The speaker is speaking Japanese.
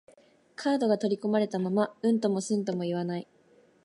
カードが取り込まれたまま、うんともすんとも言わない